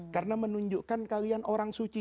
karena menunjukkan kalian orang suci